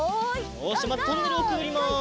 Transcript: よしまずトンネルをくぐります。